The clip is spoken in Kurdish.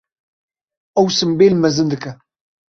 Ew simbêl mezin dike.